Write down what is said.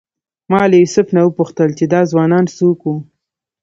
ما له یوسف نه وپوښتل چې دا ځوانان څوک وو.